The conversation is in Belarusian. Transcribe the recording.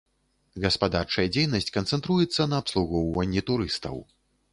Гаспадарчая дзейнасць канцэнтруецца на абслугоўванні турыстаў.